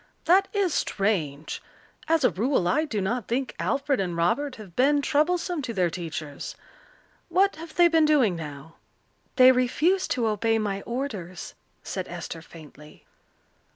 "That is strange. As a rule I do not think Alfred and Robert have been troublesome to their teachers. What have they been doing now?" "They refuse to obey my orders," said Esther faintly.